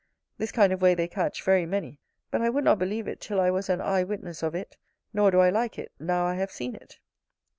This kind of way they catch very many: but I would not believe it till I was an eye witness of it, nor do I like it now I have seen it.